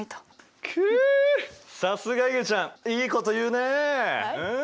くうさすがいげちゃん！いいこと言うねえ。